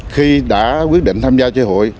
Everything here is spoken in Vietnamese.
khi đã quyết định tham gia chơi hụi